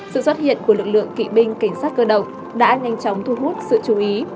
sự xuất hiện của lực lượng kỵ binh cảnh sát cơ động đã nhanh chóng thu hút sự chú ý